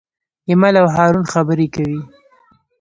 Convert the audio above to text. ایمل او هارون خبرې کوي.